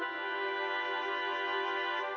oh ini dong